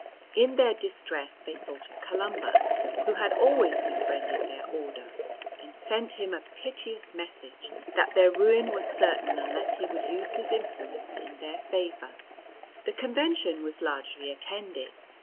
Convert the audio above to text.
In their distress they thought of Columba, who had always befriended their order, and sent him a piteous message that their ruin was certain unless he would use his influence in their favour. The Convention was largely attended.